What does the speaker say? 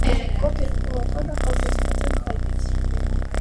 Կոթը և փողակալը պատրաստված են փայտիից։